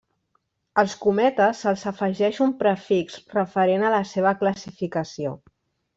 Als cometes se'ls afegeix un prefix referent a la seva classificació.